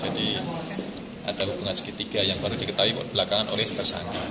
ada hubungan segitiga yang baru diketahui belakangan oleh tersangka